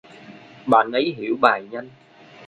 bạn ấy hiểu bài nhanh